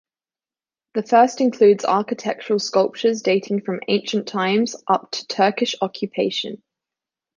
The first includes architectural sculptures dating from ancient times up to Turkish occupation.